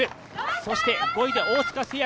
そして５位で大塚製薬。